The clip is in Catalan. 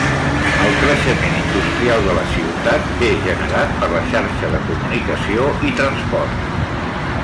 El creixement industrial de la ciutat ve generat per la xarxa de comunicació i transport.